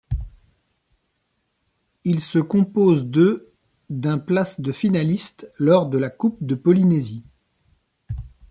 Il se compose de d'un place de finaliste lors de la Coupe de Polynésie.